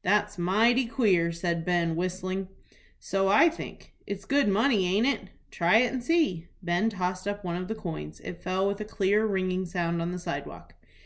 "That's mighty queer," said Ben, whistling. "So I think." "It's good money, aint it?" "Try it and see." Ben tossed up one of the coins. It fell with a clear, ringing sound on the sidewalk.